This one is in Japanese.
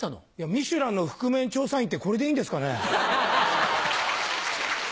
『ミシュラン』の覆面調査員ってこれでいいんですかね？